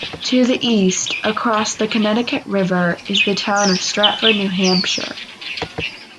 To the east, across the Connecticut River, is the town of Stratford, New Hampshire.